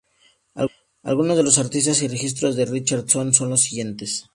Algunos de los artistas y registros de Richardson son los siguientes